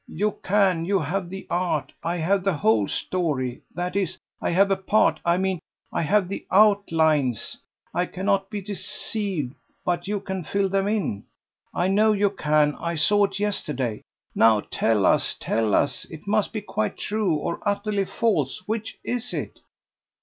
You can; you have the art. I have the whole story. That is, I have a part. I mean, I have the outlines, I cannot be deceived, but you can fill them in, I know you can. I saw it yesterday. Now, tell us, tell us. It must be quite true or utterly false. Which is it?"